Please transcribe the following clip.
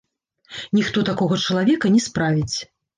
Ніхто такога чалавека не справіць.